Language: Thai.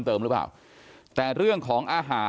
อยู่ดีมาตายแบบเปลือยคาห้องน้ำได้ยังไง